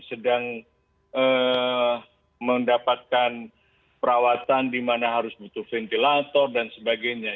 sedang mendapatkan perawatan dimana harus butuh ventilator dan sebagainya